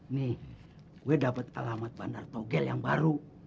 nih gue dapat alamat bandar togel yang baru